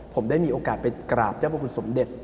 ผมได้มีโอกาสไปกราบเจ้าพระคุณสมเด็จ